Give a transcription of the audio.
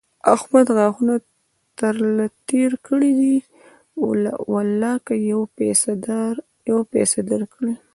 احمد غاښونه تر له تېر کړي دي؛ ولاکه يوه پيسه در کړي.